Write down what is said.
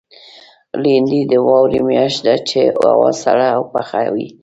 لېندۍ د واورې میاشت ده، چې هوا سړه او یخه وي.